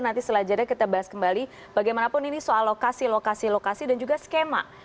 nanti setelah jadinya kita bahas kembali bagaimanapun ini soal lokasi lokasi dan juga skema